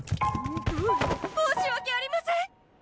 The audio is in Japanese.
申し訳ありません！